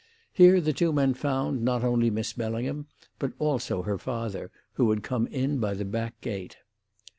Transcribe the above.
Here the two men found, not only Miss Bellingham, but also her father, who had come in by the back gate.